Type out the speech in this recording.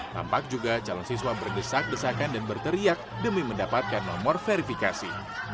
tampak juga calon siswa berdesak desakan dan berteriak demi mendapatkan nomor verifikasi